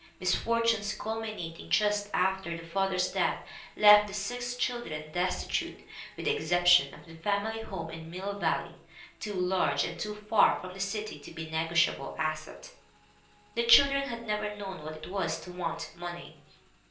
Misfortunes culminating just after the father's death left the six children "destitute, with the excep tion of the family home in Mill Valley, too large and too far from the city to be a negotiable asset." The children had never known what it was to want money.